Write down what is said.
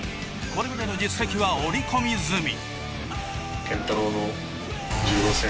これまでの実績は織り込み済み。